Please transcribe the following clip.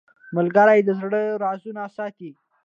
ملګری د زړه رازونه ساتي